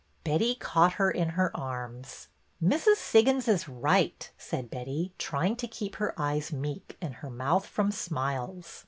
Betty caught her in her arms. " Mrs. Siggins is right," said Betty, trying to keep her eyes meek and her mouth from smiles.